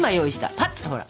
パッとほら！